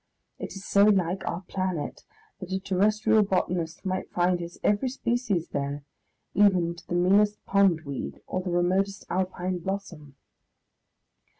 It is so like our planet that a terrestrial botanist might find his every species there, even to the meanest pondweed or the remotest Alpine blossom....